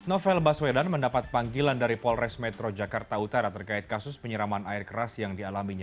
novel baswedan mendapat panggilan dari polres metro jakarta utara terkait kasus penyiraman air keras yang dialaminya